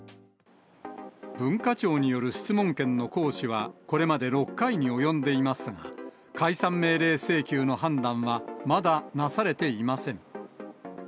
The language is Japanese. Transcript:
文化庁による質問権の行使は、これまで６回に及んでいますが、解散命令請求の判断は、まだなされていません。